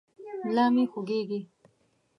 ملا مې خوږېږي.